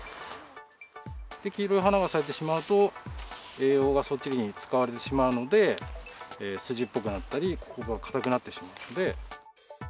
黄色い花が咲いてしまうと、栄養がそっちに使われてしまうので、筋っぽくなったり、ここが硬くなってしまうので。